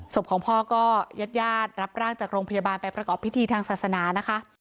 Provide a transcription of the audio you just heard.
ศพของพ่อก็ญาติญาติรับร่างจากโรงพยาบาลไปประกอบพิธีทางศาสนานะคะ